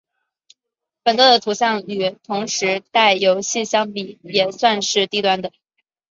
本作的图像与同时代游戏相比也算是低端的。